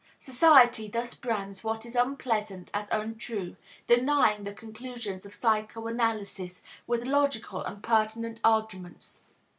Society thus brands what is unpleasant as untrue, denying the conclusions of psychoanalysis with logical and pertinent arguments.